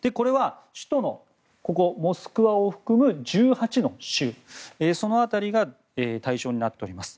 首都のモスクワを含む１８の州その辺りが対象になっています。